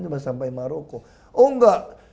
cuma sampai maroko oh enggak